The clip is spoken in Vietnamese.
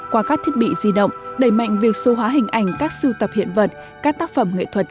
qua các thiết bị di động đẩy mạnh việc số hóa hình ảnh các sưu tập hiện vật các tác phẩm nghệ thuật